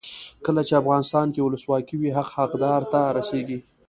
کله چې افغانستان کې ولسواکي وي حق حقدار ته رسیږي.